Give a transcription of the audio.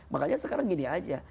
makanya sekarang gini aja